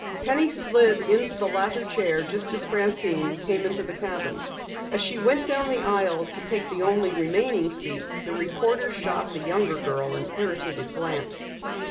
Penny slid into the latter chair just as Francine came into the cabin. As she went down the aisle to take the only remaining seat, the reporter shot the younger girl an irritated glance.